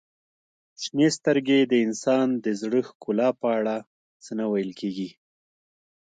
• شنې سترګې د انسان د زړه ښکلا په اړه څه نه ویل کیږي.